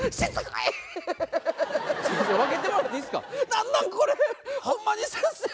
何なんこれホンマに先生。